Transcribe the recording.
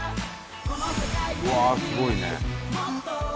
うわあすごいね。